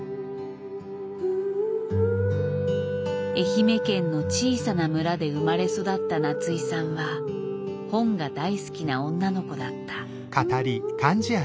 愛媛県の小さな村で生まれ育った夏井さんは本が大好きな女の子だった。